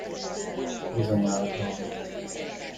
Bizonyára kávé.